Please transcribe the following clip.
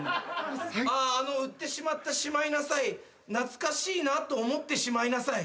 ああの売ってしまったしまいなさい懐かしいなと思ってしまいなさい。